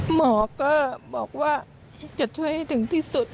หมอก็บอกว่าจะช่วยให้ถึงที่สุด